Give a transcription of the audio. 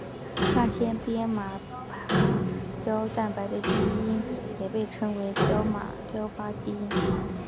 那些编码靶标蛋白的基因也被称为靶标基因。